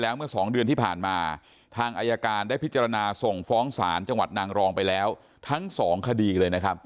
แล้วเมื่อสองเดือนที่ผ่านมาทางอายการได้พิจารณาส่งฟ้องศาลจังหวัดนางรองไปแล้วทั้งสองคดีเลยนะครับ